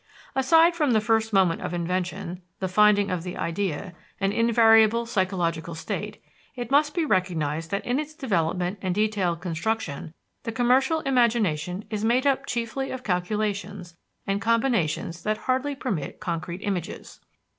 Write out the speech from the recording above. Aside from the first moment of invention, the finding of the idea an invariable psychological state it must be recognized that in its development and detailed construction the commercial imagination is made up chiefly of calculations and combinations that hardly permit concrete images.